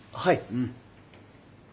うん。